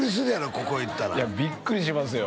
ここ行ったらいやビックリしますよ